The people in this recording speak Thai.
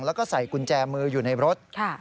แล้วก็ใส่กุญแจมืออยู่ในรถ